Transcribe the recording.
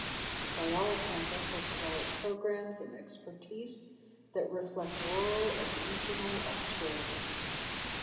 Whyalla campus has developed programs and expertise that reflect rural and regional Australia.